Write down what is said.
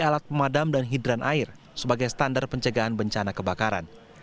alat pemadam dan hidran air sebagai standar pencegahan bencana kebakaran